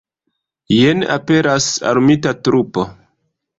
Jen aperas armita trupo.